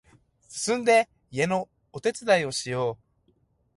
すすんで家のお手伝いをしよう